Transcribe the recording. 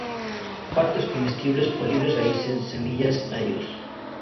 Partes comestibles: polen; raíces; semillas; tallos.